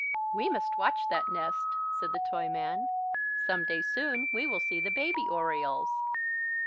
"We must watch that nest," said the Toyman. "Some day soon we will see the baby orioles."